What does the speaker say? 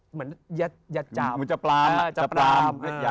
เหมือนจะปลาม